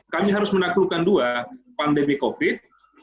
kami harus menaklukan dua pandemi covid sembilan belas